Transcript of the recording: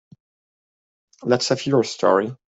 Let's have your story.